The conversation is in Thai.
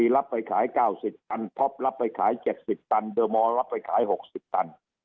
รับไปขายเก้าสิบตันรับไปขายเจ็ดสิบตันรับไปขายหกสิบตัน